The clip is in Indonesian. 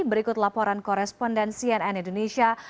berikut laporan korespondensi ann indonesia